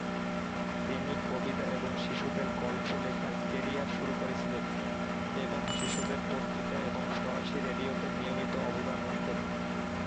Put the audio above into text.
তিনি কবিতা এবং শিশুদের গল্প লেখার কেরিয়ার শুরু করেছিলেন এবং শিশুদের পত্রিকা এবং ফরাসী রেডিওতে নিয়মিত অবদান রাখেন।